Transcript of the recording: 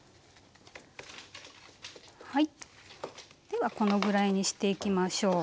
ではこのぐらいにしていきましょう。